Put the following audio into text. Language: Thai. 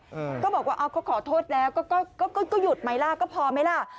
ก็บอกว่าเอาเขาขอโทษแล้วก็ก็ก็หยุดไหมล่ะก็พอไหมล่ะ